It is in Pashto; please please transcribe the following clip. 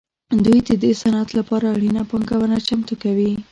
دوی د دې صنعت لپاره اړینه پانګونه چمتو کوي